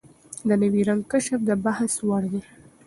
د نوي رنګ کشف د بحث وړ دی.